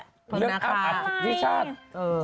เรื่องน้าคายิชัดใช่